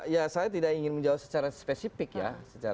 ya saya tidak ingin menjawab secara spesifik ya